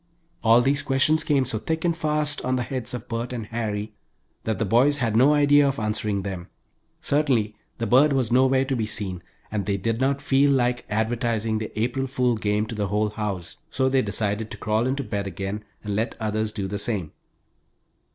All these questions came so thick and fast on the heads of Bert and Harry that the boys had no idea of answering them. Certainly the bird was nowhere to be seen, and they did not feel like advertising their "April fool game" to the whole house, so they decided to crawl into bed again and let others do the same.